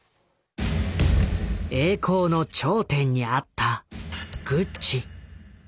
栄光の頂点にあったグッチ。